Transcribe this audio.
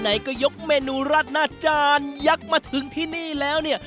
ไหนก็ยกเมนูราดหน้าจานยักษ์มาถึงที่นี่แล้วเนี่ย